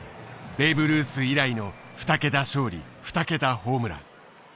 ベーブ・ルース以来の２桁勝利２桁ホームラン。